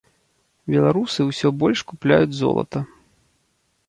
Беларусы ўсё больш купляюць золата.